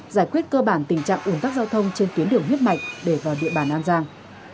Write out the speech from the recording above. giải quyết cơ bản tình trạng ủn tắc giao thông trên tuyến đường huyết mạch để vào địa bàn an giang